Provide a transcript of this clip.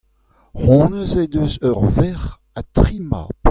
honnezh he deus ur verc'h ha tri mab.